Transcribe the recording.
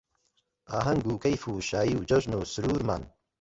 ئاهەنگ و کەیف و شایی و جێژن و سروورمان